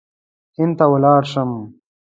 هند ته ولاړ شم.